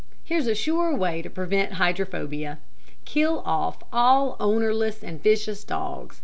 Here's a sure way to prevent hydrophobia. Kill off all ownerless and vicious dogs.